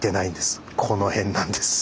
あこの辺なんですか燕。